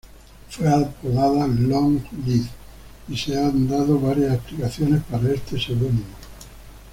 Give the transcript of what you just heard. Fue apodada "Long Liz", y se han dado varias explicaciones para este seudónimo.